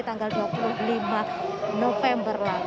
yang dianggap dua puluh lima november lah